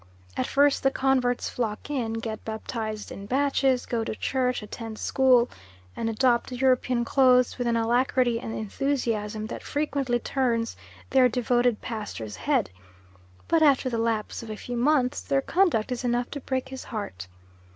At first the converts flock in, get baptised in batches, go to church, attend school, and adopt European clothes with an alacrity and enthusiasm that frequently turns their devoted pastor's head, but after the lapse of a few months their conduct is enough to break his heart.